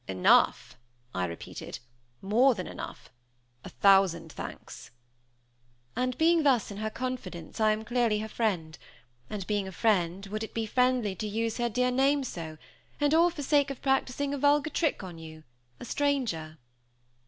"Enough?" I repeated, "more than enough a thousand thanks." "And being thus in her confidence, I am clearly her friend; and being a friend would it be friendly to use her dear name so; and all for sake of practicing a vulgar trick upon you a stranger?"